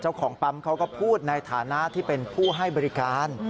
เจ้าของปั๊มเขาก็พูดในฐานะที่เป็นผู้ให้บริการ